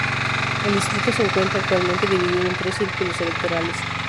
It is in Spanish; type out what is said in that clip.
El distrito se encuentra actualmente dividido en tres círculos electorales.